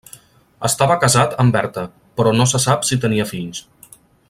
Estava casat amb Berta però no se sap si tenia fills.